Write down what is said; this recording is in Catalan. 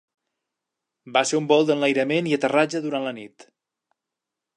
Va ser un vol d'enlairament i aterratge durant la nit.